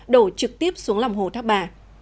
đổ trực tiếp xuống lòng hồ thác bà